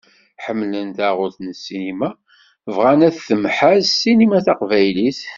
Ḥemmlen taɣult n ssinima, bɣan ad temhaz ssinima taqbaylit.